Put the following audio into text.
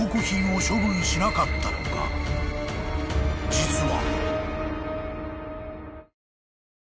［実は］